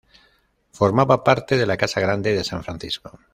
Formaba parte de la Casa Grande de San Francisco.